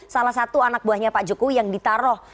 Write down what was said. salah satu anak buahnya pak jokowi yang ditaruh